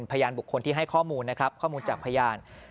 พยานบุคคลที่ให้ข้อมูลนะครับข้อมูลจากพยาน